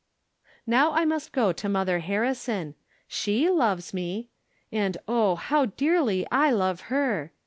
Now I must go to Mother Harrison. She loves me. And oh, how dearly I love her